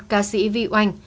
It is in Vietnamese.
cá sĩ vy oanh